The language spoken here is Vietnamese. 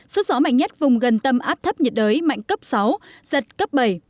sức gió mạnh nhất vùng gần tâm áp thấp nhiệt đới mạnh cấp sáu giật cấp bảy